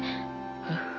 えっ？